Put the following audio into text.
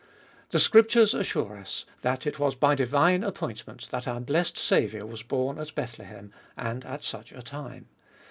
The scriptures assure us, that it was by divine appointment, that our blessed Saviour was born at Bethlehem, and at such a time.